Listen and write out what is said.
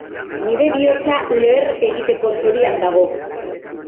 Nire bihotza leher egiteko zorian dago.